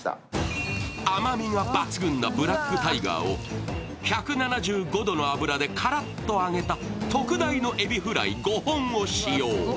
甘みが抜群のブラックタイガーを１７５度の油でカラッと揚げた特大のエビフライ５本を使用。